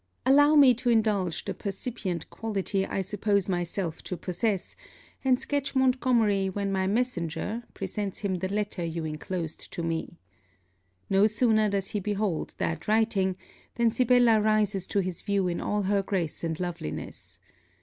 Allow me to indulge the percipient quality I suppose myself to possess, and sketch Montgomery when my messenger, presents him the letter you inclosed to me. No sooner does he behold that writing, than Sibella rises to his view in all her grace and loveliness.